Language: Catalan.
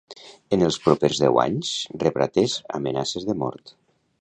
En els propers deu anys, rebrà tres amenaces de mort.